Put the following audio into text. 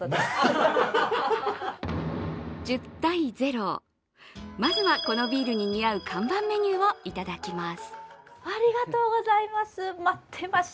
１０：０まずはこのビールに似合う看板メニューをいただきます。